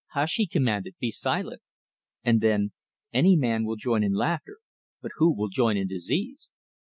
"Hush!" he commanded. "Be silent!" And then: "Any man will join in laughter; but who will join in disease?"